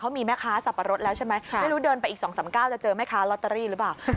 เค้ามีแม่ค้าสับปะรดแล้วใช่มั้ยไม่รู้เดินไปอีก๒๓ก้าวจะเจอแม่ค้าลอตเตอรี่